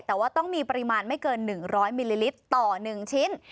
แต่ว่าต้องมีปริมาณไม่เกิน๑๐๐มิลลิลิตรต่อ๑ชิ้น